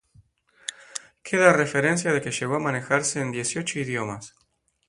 Queda referencia de que llegó a manejarse en dieciocho idiomas.